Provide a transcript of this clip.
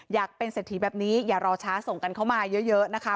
อยากเป็นเศรษฐีแบบนี้อย่ารอช้าส่งกันเข้ามาเยอะนะคะ